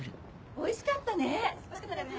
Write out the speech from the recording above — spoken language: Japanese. おいしかったですね。